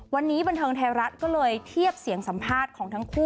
วันนี้บันเทิงไทยรัฐก็เลยเทียบเสียงสัมภาษณ์ของทั้งคู่